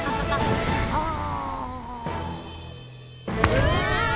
うわ！